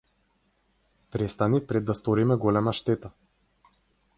Престани пред да сториме голема штета.